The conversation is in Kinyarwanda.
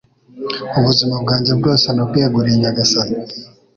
ubuzima bwanjye bwose nabweguriye nyagasani